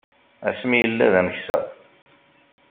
Asmi yella d ameksa.